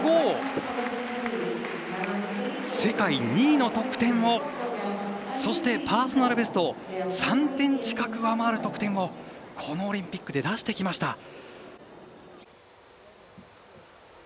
世界２位の得点をそして、パーソナルベストを３点近く上回る得点をこのオリンピックで出してきました。